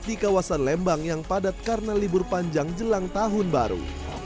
di kawasan lembang yang padat karena libur panjang jelang tahun baru